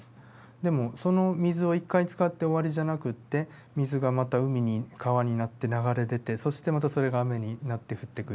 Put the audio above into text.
でもその水を一回使って終わりじゃなくって水がまた海に川になって流れ出てそしてまたそれが雨になって降ってくる。